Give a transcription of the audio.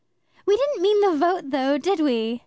"We didn't mean the vote, though, did we?"